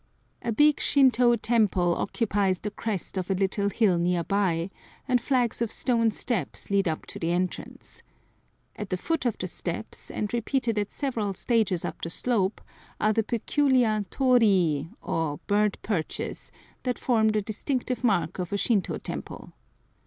A big Shinto temple occupies the crest of a little hill near by, and flights of stone steps lead up to the entrance. At the foot of the steps, and repeated at several stages up the slope, are the peculiar torii, or "bird perches," that form the distinctive mark of a Shinto temple.